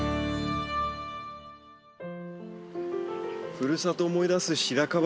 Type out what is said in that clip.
ふるさとを思い出すシラカバ